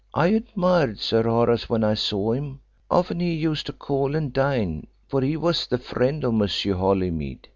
I admired Sir Horace when I saw him often he used to call and dine, for he was the friend of Monsieur Holymead.